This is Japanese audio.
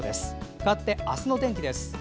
かわって、明日の天気です。